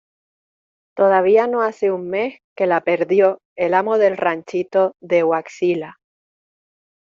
todavía no hace un mes que la perdió el amo del ranchito de Huaxila: